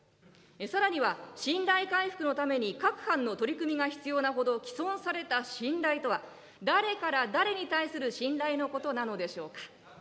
さらには、信頼回復のために各般の取り組みが必要なほど毀損された信頼とは、誰から誰に対する信頼のことなのでしょうか。